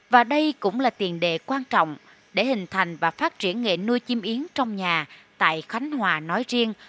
và đây cũng là tiền đề quan trọng để hình thành và phát triển nghề nuôi chim yến trong nhà tại khánh hòa nói riêng